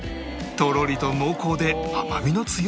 とろりと濃厚で甘みの強い味